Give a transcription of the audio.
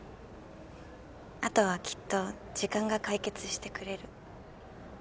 あとはきっと時間が解決してくれる。